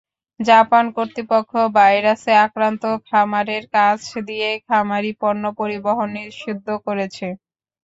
Japan কর্তৃপক্ষ ভাইরাসে আক্রান্ত খামারের কাছ দিয়ে খামারি পণ্য পরিবহন নিষিদ্ধ করেছে।